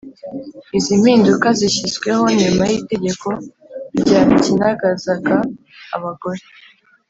Izi mpinduka zishyizweho nyuma y’itegeko ryapyinagazaga abagore